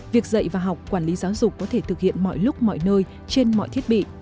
việc dạy và học quản lý giáo dục có thể thực hiện mọi lúc mọi nơi trên mọi thiết bị